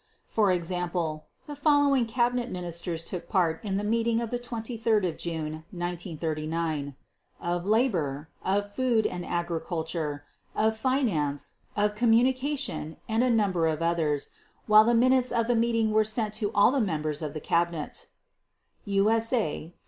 For example, the following Cabinet Ministers took part in the meeting of 23 June 1939: of Labor, of Food and Agriculture, of Finance, of Communication, and a number of others, while the minutes of the meeting were sent to all the members of the Cabinet (USA 782).